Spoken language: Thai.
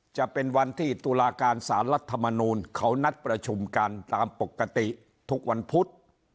จะเป็นวันที่ตุลาการสารรัฐมนูลเขานัดประชุมกันตามปกติทุกวันพุธ